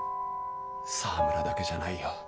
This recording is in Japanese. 沢村だけじゃないよ。